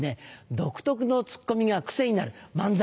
独特のツッコミが癖になる漫才